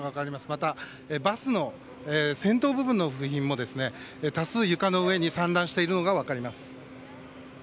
またバスの先頭部分の部品も多数床の上に散乱しているのが分かります。